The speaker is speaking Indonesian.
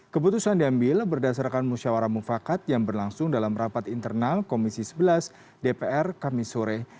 keputusan diambil berdasarkan musyawara mufakat yang berlangsung dalam rapat internal komisi sebelas dpr kamisore